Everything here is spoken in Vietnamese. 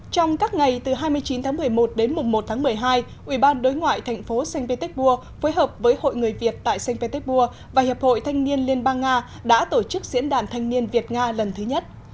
trong các ngày từ hai mươi chín tháng một mươi một đến mùng một tháng một mươi hai ủy ban đối ngoại thành phố saint petersburg phối hợp với hội người việt tại st petersburg và hiệp hội thanh niên liên bang nga đã tổ chức diễn đàn thanh niên việt nga lần thứ nhất